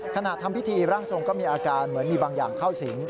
ขณะทำพิธีร่างทรงก็มีอาการเหมือนมีบางอย่างเข้าสิง